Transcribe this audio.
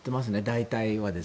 大体は。